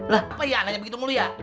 lah apoy ya anaknya begitu mulu ya